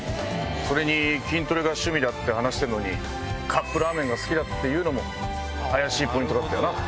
それに筋トレが趣味だって話してるのにカップラーメンが好きだっていうのも怪しいポイントだったよな。